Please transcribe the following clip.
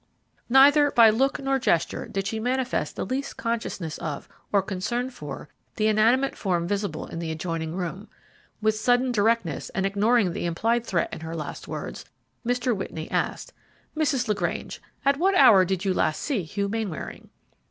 Neither by look nor gesture did she manifest the least consciousness of, or concern for, the inanimate form visible in the adjoining room. With sudden directness, and ignoring the implied threat in her last words, Mr. Whitney asked, "Mrs. LaGrange, at what hour did you last see Hugh Mainwaring?"